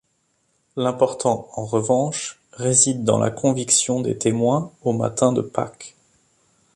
L'important, en revanche, réside dans la conviction des témoins au matin de Pâques.